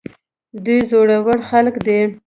دوی زړه ور خلک دي.